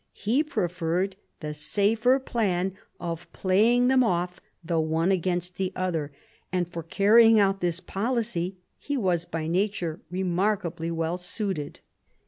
He preferred the safer plan of playing them off the one against the other; and for carrying out this policy he was by nature remarkably well suited.